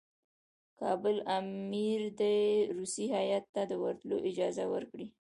کابل امیر دي روسي هیات ته د ورتلو اجازه ورکړي.